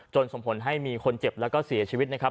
จนสมผลให้มีคนเจ็บและเสียชีวิตนะครับ